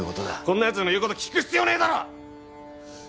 こんなやつの言うこと聞く必要ねえだろっ！